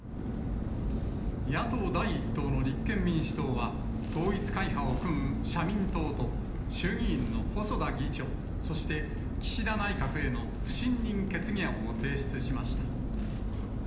野党第１党の立憲民主党は、統一会派を組む社民党と、衆議院の細田議長、そして岸田内閣への不信任決議案を提出しました。